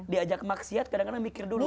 diajak maksiat kadang kadang mikir dulu